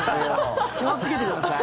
気をつけてください。